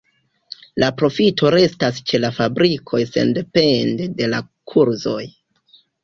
La profito restas ĉe la fabrikoj sendepende de la kurzoj.